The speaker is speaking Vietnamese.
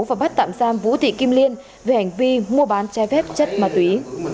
và bắt tạm giam vũ thị kim liên về hành vi mua bán trái phép chất ma túy